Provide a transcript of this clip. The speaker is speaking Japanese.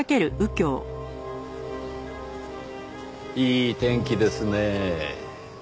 いい天気ですねぇ。